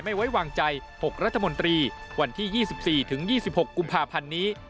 ไม่ไว้วางใจ๖รัฐมนตรีวันที่๒๔ถึง๒๖กุมภาพันธ์นี้